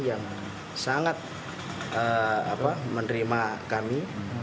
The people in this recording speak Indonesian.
yang sangat menerima kami